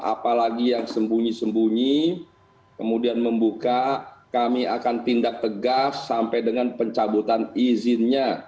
apalagi yang sembunyi sembunyi kemudian membuka kami akan tindak tegas sampai dengan pencabutan izinnya